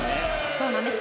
そうなんです。